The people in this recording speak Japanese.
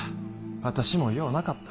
私もようなかった。